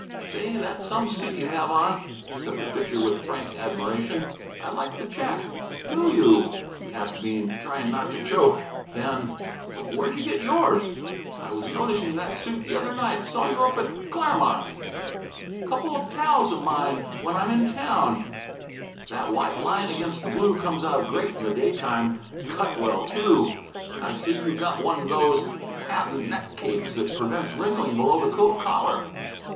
"Say, that's some suit you have on," said the Pitcher with frank admiration. "I like that check." "Do you?" asked Bean, trying not to choke. Then, "Where'd you get yours? I was noticing that suit the other night; saw you up at Claremont " "Couple of pals of mine when I'm in town " "That white line against the blue comes out great in the day time. Cut well, too. I see you got one those patent neck capes that prevents wrinkling below the coat collar.